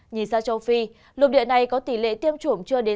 nhìn sang châu phi lục địa này có tỷ lệ tiêm chủng chưa đến sáu